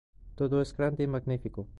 Todo es grande y magnífico".